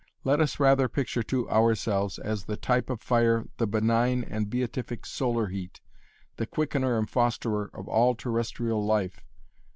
Let us rather picture to ourselves as the type of fire the benign and beatific solar heat, the quickener and fosterer of all terrestrial life.